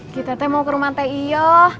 gita teh mau ke rumah teh iyo